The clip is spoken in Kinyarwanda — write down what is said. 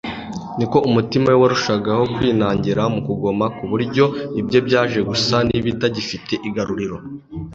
ni ko umutima we warushagaho kwinangira mu kugoma ku buryo ibye byaje gusa n'ibitagifite igaruriro